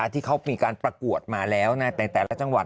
ที่เขามีการประกวดมาแล้วในแต่ละจังหวัด